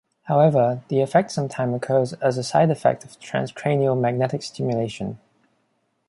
However, the effect sometime occurs as a side effect of transcranial magnetic stimulation.